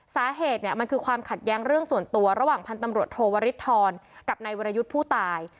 สาเหตุเนี่ยมันคือความขัดแย้งเรื่องส่วนตัวระหว่างพันธุ์ตำรวจโทวริทรกับนายวรยุทธ์ผู้ตาย